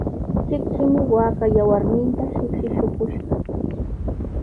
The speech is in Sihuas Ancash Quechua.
Chikchimi waakaapa yawarninta shipshi shuqushqa.